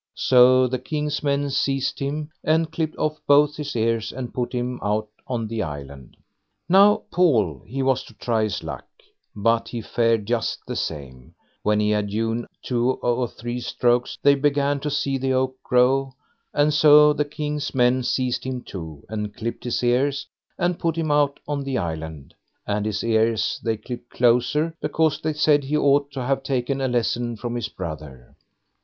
So the king's men seized him, and clipped off both his ears, and put him out on the island. Now Paul, he was to try his luck, but he fared just the same; when he had hewn two or three strokes, they began to see the oak grow, and so the king's men seized him too, and clipped his ears, and put him out on the island; and his ears they clipped closer, because they said he ought to have taken a lesson from his brother.